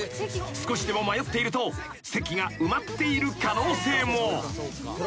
少しでも迷っていると席が埋まっている可能性も］